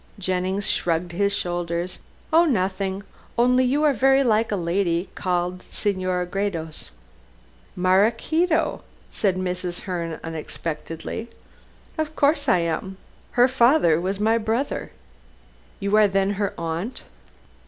Jennings shrugged his shoulders. "Oh, nothing. Only you are very like a lady called Senora Gredos." "Maraquito," said Mrs. Herne unexpectedly. "Of course I am. Her father was my brother." "You are then her aunt?"